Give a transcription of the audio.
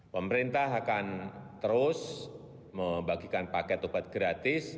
pemerintah akan terus membagikan paket obat gratis